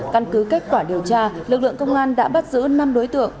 căn cứ kết quả điều tra lực lượng công an đã bắt giữ năm đối tượng